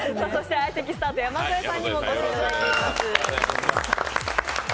相席スタート、山添さんにもお越しいただきました。